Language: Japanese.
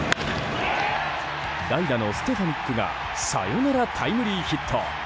代打のステファニックがサヨナラタイムリーヒット。